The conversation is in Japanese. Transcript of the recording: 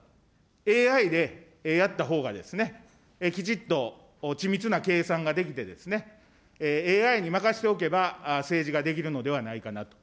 ＡＩでやったほうがですね、きちっとち密な計算ができて、ＡＩに任せておけば政治ができるのではないかなと。